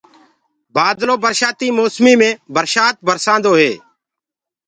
بآدلو برشآتيٚ موسميٚ مي برسآت برسآنٚدو هي